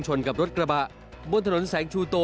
กับรถกระบะบนถนนแสงชูโต